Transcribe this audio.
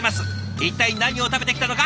一体何を食べてきたのか